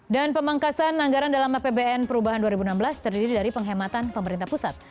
dan pemangkasan anggaran dalam apbn perubahan dua ribu enam belas terdiri dari penghematan pemerintah pusat